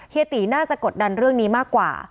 ตีน่าจะกดดันเรื่องนี้มากกว่า